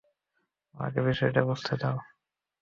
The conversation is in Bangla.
আমাকে বিষয়টা বুঝতে দাও।